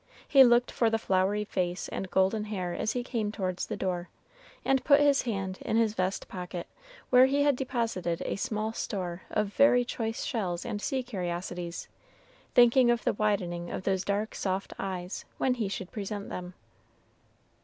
He looked for the flowery face and golden hair as he came towards the door, and put his hand in his vest pocket, where he had deposited a small store of very choice shells and sea curiosities, thinking of the widening of those dark, soft eyes when he should present them.